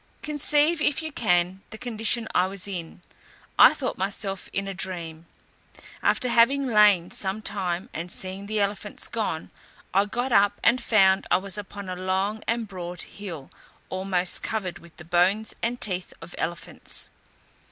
Conceive, if you can, the condition I was in: I thought myself in a dream. After having lain some time, and seeing the elephants gone, I got up, and found I was upon a long and broad hill, almost covered with the bones and teeth of elephants.